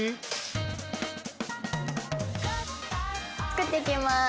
作っていきます。